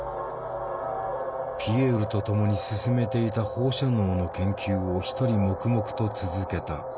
ピエールと共に進めていた放射能の研究を一人黙々と続けた。